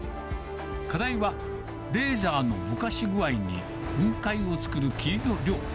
課題は、レーザーのぼかし具合に、雲海を作る霧の量。